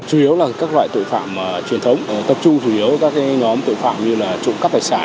chủ yếu là các loại tội phạm truyền thống tập trung chủ yếu các nhóm tội phạm như là trộm cắp tài sản